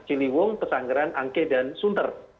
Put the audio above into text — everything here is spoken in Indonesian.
ciliwung pesangeran angke dan sunter